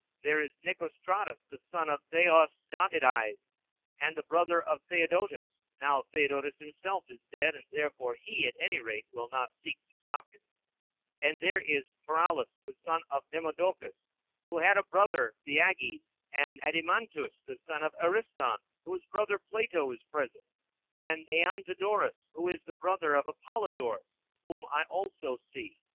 There is Nicostratus the son of Theosdotides, and the brother of Theodotus (now Theodotus himself is dead, and therefore he, at any rate, will not seek to stop him); and there is Paralus the son of Demodocus, who had a brother Theages; and Adeimantus the son of Ariston, whose brother Plato is present; and Æantodorus, who is the brother of Apollodorus, whom I also see.